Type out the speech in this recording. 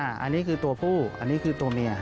อันนี้คือตัวผู้อันนี้คือตัวเมีย